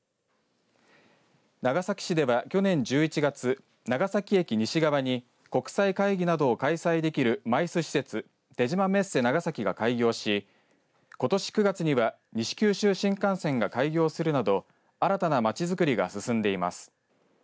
長崎市では去年１１月長崎駅西側に国際会議などを開催できるＭＩＣＥ施設出島メッセ長崎を開業しことし９月には西九州新幹線が開業するなど新たな街づくりが進んでいます。